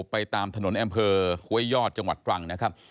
ไปตามถนนแอมเพอครวยยอดจังหวัดตรงครังนะครับ